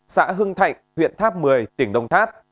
xã hưng thạnh huyện tháp một mươi tỉnh đông tháp